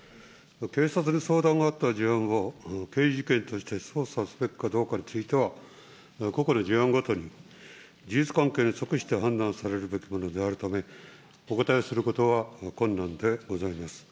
警察に相談があった事案を、刑事事件として、捜査すべきかどうかについては、個々の事案ごとに、事実関係に即して判断されるべきことであるため、お答えすることは困難でございます。